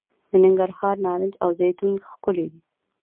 د ننګرهار نارنج او زیتون ښکلي دي.